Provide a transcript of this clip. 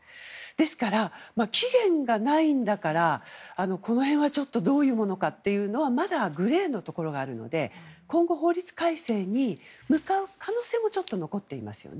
ですから、期限がないんだからこの辺はちょっとどういうものかというのはまだグレーのところがあるので今後、法律改正に向かう可能性もちょっと残っていますよね。